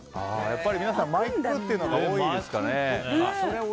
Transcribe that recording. やっぱり皆さん巻くというのが多いですかね。